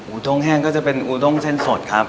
้งแห้งก็จะเป็นอูด้งเส้นสดครับ